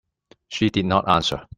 She did not answer.